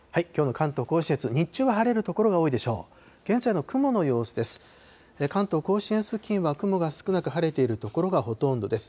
関東甲信越付近は雲が少なく、晴れている所がほとんどです。